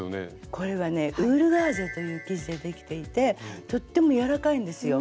これはねウールガーゼという生地でできていてとっても柔らかいんですよ。